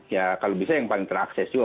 ya kalau bisa yang paling terakses juga